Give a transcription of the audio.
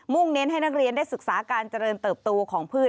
เน้นให้นักเรียนได้ศึกษาการเจริญเติบโตของพืช